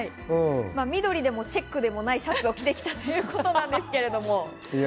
緑でもない、チェックでもないシャツを着てきたということなんです。